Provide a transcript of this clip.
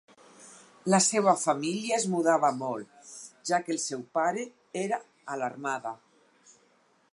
La seva família es mudava molt, ja que el seu pare era a l'armada.